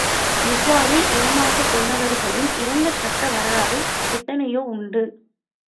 இவ்வாறு ஏமாந்து போனவர்களின் இரங்கத்தக்க வரலாறு எத்தனையோ உண்டு.